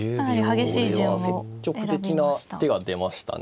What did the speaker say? これは積極的な手が出ましたね。